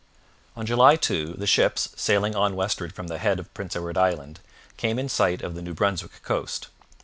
On July 2, the ships, sailing on westward from the head of Prince Edward Island, came in sight of the New Brunswick coast.